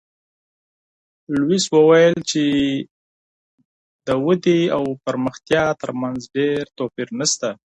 لویس وویل چی د ودي او پرمختیا ترمنځ ډېر توپیر نشته.